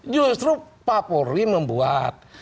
justru pak polri membuat